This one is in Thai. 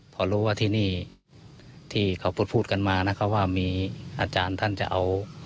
พอรู้ว่าที่นี่ที่เขาพูดกันมานะครับว่ามีอาจารย์ท่านจะเอา